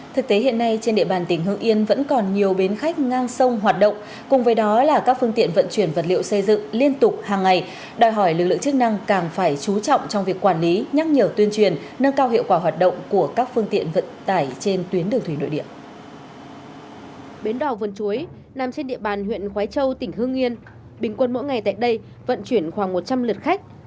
thực tế hiện nay trên địa bàn tỉnh hương yên vẫn còn nhiều bến khách ngang sông hoạt động cùng với đó là các phương tiện vận chuyển vật liệu xây dựng liên tục hàng ngày đòi hỏi lực lượng chức năng càng phải chú trọng trong việc quản lý nhắc nhở tuyên truyền nâng cao hiệu quả hoạt động của các phương tiện vận tải trên tuyến đường thủy nội địa